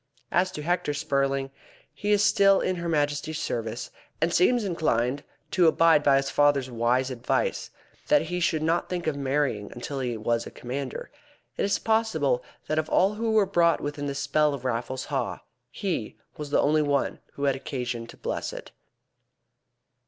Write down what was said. As to Hector Spurling, he is still in her Majesty's service, and seems inclined to abide by his father's wise advice, that he should not think of marrying until he was a Commander. It is possible that of all who were brought within the spell of Raffles Haw he was the only one who had occasion to bless it.